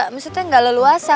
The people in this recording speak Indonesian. maksudnya enggak leluasa